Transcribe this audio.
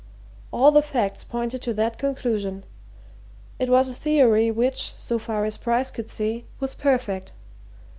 All the facts pointed to that conclusion it was a theory which, so far as Bryce could see, was perfect.